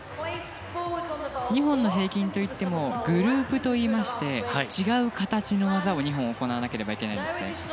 ２本の平均といってもグループといいまして違う形の技を２本行わなければいけないんですね。